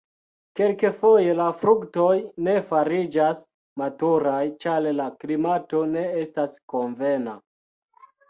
Kelkfoje la fruktoj ne fariĝas maturaj, ĉar la klimato ne estas konvena.